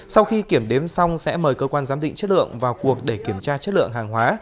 sau khi kiểm đếm xong sẽ mời cơ quan giám định chất lượng vào cuộc để kiểm tra chất lượng hàng hóa